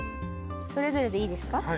それぞれでいいですか？